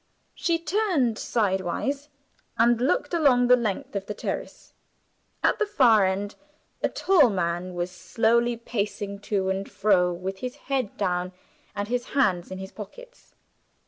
She turned sidewise, and looked along the length of the terrace. At the far end a tall man was slowly pacing to and fro, with his head down and his hands in his pockets.